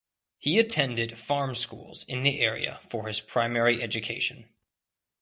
He attended farm schools in the area for his primary education.